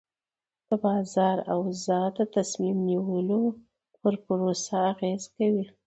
د بازار اوضاع د تصمیم نیولو پر پروسه اغېز کوي.